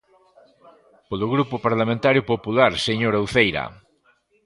Polo Grupo Parlamentario Popular, señora Uceira.